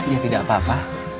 ya tidak apa apa